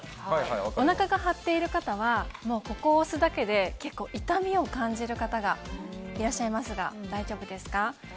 おなかが張っている方はここを押すだけで痛みを感じる方がいらっしゃいますが大丈夫ですか。